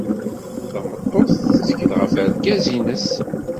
Tameṭṭut tettkel ɣef wergaz-nnes.